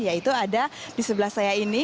yaitu ada di sebelah saya ini